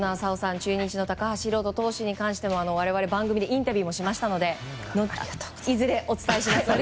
中日の高橋宏斗投手は我々、番組でインタビューしましたのでいずれお伝えします。